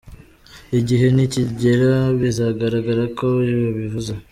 Igihe nikigera bizagaragara ko yabivuze